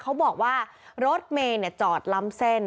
เขาบอกว่ารถเมย์จอดล้ำเส้น